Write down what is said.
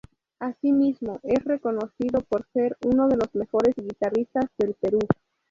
Asimismo, es reconocido por ser unos de los mejores guitarristas del Perú.